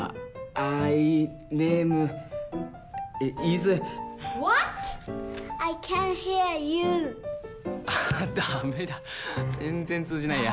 ああダメだ全然通じないや。